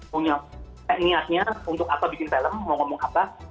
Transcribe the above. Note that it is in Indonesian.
punya niatnya untuk apa bikin film mau ngomong apa